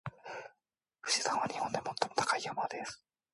富士山は日本で最も高い山です。